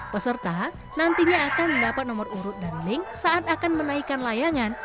peserta nantinya akan mendapat nomor urut dan link saat akan menaikkan layangan